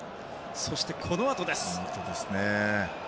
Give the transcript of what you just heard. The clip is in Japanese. そして、このあとです。